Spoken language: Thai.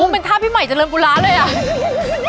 โอ้วเป็นท่าพี่ไหมเจริญกุล๊าเลยอะ